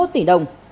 tám mươi một tỷ đồng